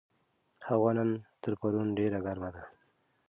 هوا نن تر پرون ډېره ګرمه ده.